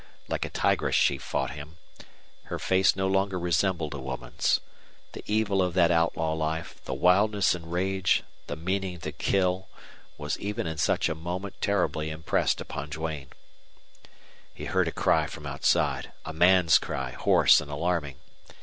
Like a tigress she fought him; her face no longer resembled a woman's. The evil of that outlaw life, the wildness and rage, the meaning to kill, was even in such a moment terribly impressed upon Duane. He heard a cry from outside a man's cry, hoarse and alarming.